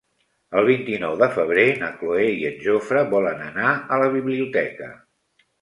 El vint-i-nou de febrer na Cloè i en Jofre volen anar a la biblioteca.